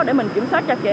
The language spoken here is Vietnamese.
để mình kiểm soát chặt kể